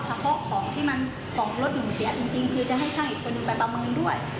เคาะของที่มันของรถหนูเสียจริงคือจะให้ช่างอีกคนหนึ่งไปประเมินด้วย